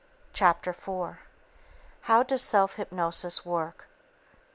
Chapter 4 How Does Self Hypnosis Work?